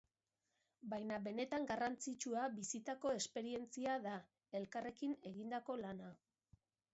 Baina benetan garrantzitsua bizitako esperientzia da, elkarrekin egindako lana.